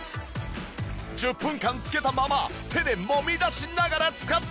１０分間つけたまま手で揉み出しながら使ってみた。